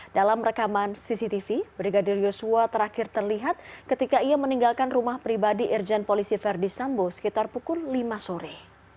dalam rekaman cctv brigadir yosua terakhir terlihat ketika ia meninggalkan rumah pribadi irjen polisi verdi sambo sekitar pukul lima sore